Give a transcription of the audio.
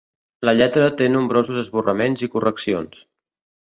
La lletra té nombrosos esborraments i correccions.